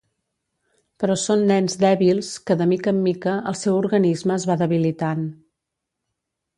Però són nens dèbils que de mica en mica el seu organisme es va debilitant.